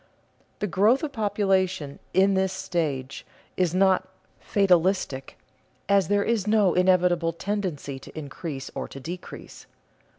The growth of population in this stage is not "fatalistic," as there is no inevitable tendency to increase or to decrease.